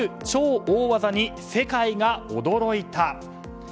超大技に世界が驚いた。